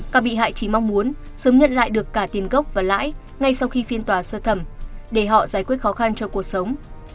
các bị hại chỉ mong muốn sớm nhận lại được cả tiền gốc và lãi ngay sau khi phiên tòa sơ thẩm để họ giải quyết khó khăn cho cuộc sống